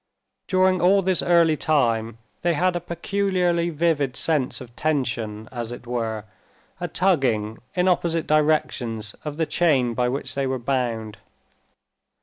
During all this early time they had a peculiarly vivid sense of tension, as it were, a tugging in opposite directions of the chain by which they were bound.